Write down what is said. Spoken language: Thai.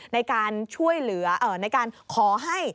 ในการช่วยเหลือในการขอให้